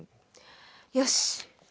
よし。